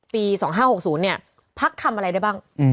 ปี๒๕๖๐เนี่ยพักทำอะไรได้บ้าง